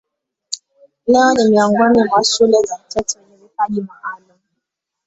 Leo ni miongoni mwa shule za watoto wenye vipaji maalumu.